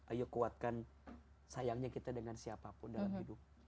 ayo kuatkan sayangnya kita dengan siapapun dalam hidup